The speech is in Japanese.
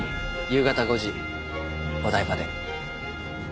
夕方５時お台場で。